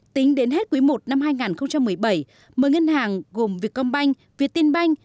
tính đến hết quý i năm hai nghìn một mươi bảy mỗi ngân hàng gồm việtcombank việttinbank